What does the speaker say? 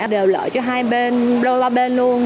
đều lợi cho hai bên lợi cho ba bên luôn